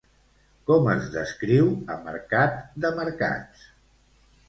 Com es descriu a Mercat de Mercats?